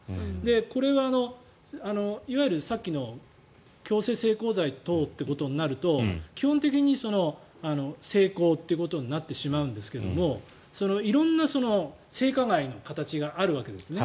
これはいわゆる、さっきの強制性交罪等ってことになると基本的に性交ということになってしまうんですけども色んな性加害の形があるわけですね。